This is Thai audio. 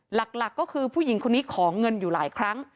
หลักก็คือผู้หญิงคนนี้ขอเงินอยู่หลายครั้ง